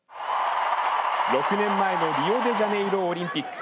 ６年前のリオデジャネイロオリンピック。